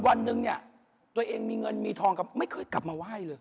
วันหนึ่งเนี่ยตัวเองมีเงินมีทองกับไม่เคยกลับมาไหว้เลย